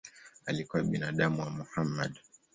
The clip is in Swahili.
Alikuwa binamu wa Mohamed.